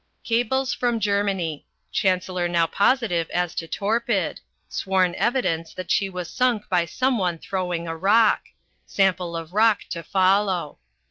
Cables from Germany. Chancellor now positive as to Torpid. Sworn evidence that she was sunk by some one throwing a rock. Sample of rock to follow.